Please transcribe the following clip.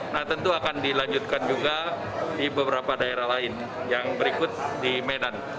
nah tentu akan dilanjutkan juga di beberapa daerah lain yang berikut di medan